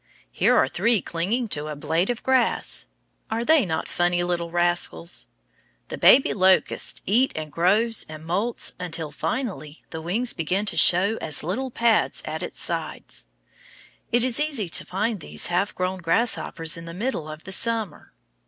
Here are three clinging to a blade of grass. Are they not funny little rascals! The baby locust eats and grows and moults until, finally, the wings begin to show as little pads at its sides. It is easy to find these half grown grasshoppers in the middle of the summer.